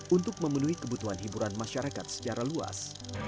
untuk memenuhi kebutuhan hiburan masyarakat secara luas